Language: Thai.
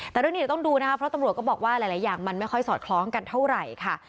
แต่เรื่องนี้เดี๋ยวต้องดูนะคะเพราะตำรวจก็บอกว่าหลายอย่างมันไม่ค่อยสอดคล้องกันเท่าไหร่ค่ะ